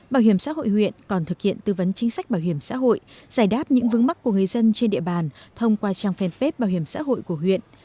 bảo hiểm xã hội huyện còn thực hiện tư vấn chính sách bảo hiểm xã hội giải đáp những vấn mắc của người dân trên địa bàn